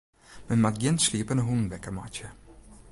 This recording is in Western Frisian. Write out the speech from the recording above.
Men moat gjin sliepende hûnen wekker meitsje.